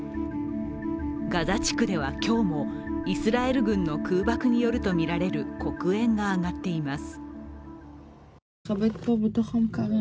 ガザ地区では今日もイスラエル軍の空爆によるとみられる黒煙が上がっています。